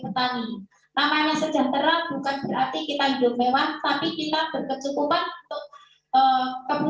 kami sudah sejahtera sebagai petani